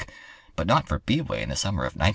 But not for B'way in the summer of 1905!"